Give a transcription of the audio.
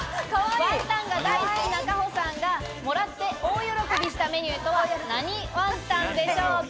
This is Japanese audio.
ワンタンが大好きな夏帆さんがもらって大喜びしたメニューとは何ワンタンでしょうか？